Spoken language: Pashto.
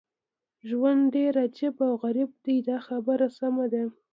ژوند ډېر عجیب او غریب دی دا خبره سمه ده.